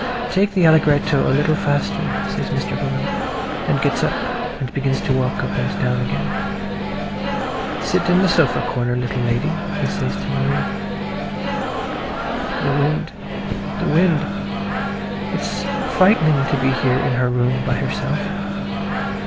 "Take the allegretto a little faster," says Mr. Bullen, and gets up and begins to walk up and down again. "Sit in the sofa corner, little lady," he says to Marie. The wind, the wind. It's frightening to be here in her room by herself.